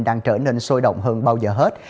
đang trở nên sôi động hơn bao giờ hết